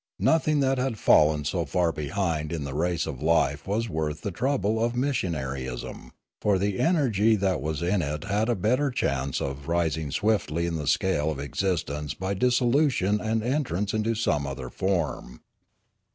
Nothing that had fallen so far behind in the race of life was worth the trouble of missionary ism; for the energy that was in it had a better chance of rising swiftly in the scale of existence by dissolution and entrance into some other form.